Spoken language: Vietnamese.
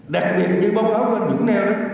đặc biệt như báo cáo của anh vũng nèo